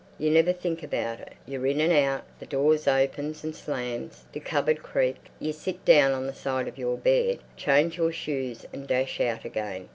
You never think about it. You're in and out, the door opens and slams, the cupboard creaks. You sit down on the side of your bed, change your shoes and dash out again.